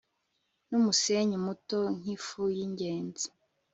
numusenyi muto nkifu yingezi